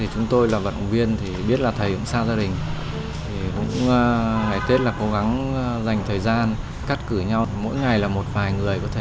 chúc thầy là luôn luôn vui vẻ